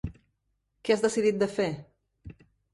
Què has decidit de fer?